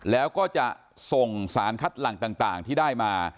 แล้วก็จะส่งสารคัดหลังต่างที่ได้มา